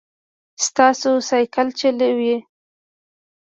تاسو سایکل چلوئ؟